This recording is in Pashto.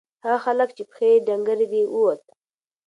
هغه هلک چې پښې یې ډنگرې دي ووت.